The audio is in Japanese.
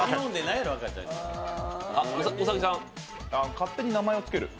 勝手に名前をつける。